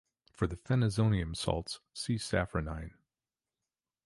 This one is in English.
For the phenazonium salts, see safranine.